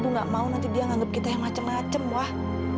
ibu nggak mau nanti dia nganggep kita yang macem macem wah